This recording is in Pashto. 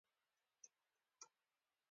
پروګرامر د خپل څراغ سره پر هغه برید وکړ